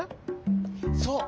そう。